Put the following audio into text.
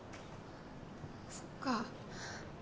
そっか。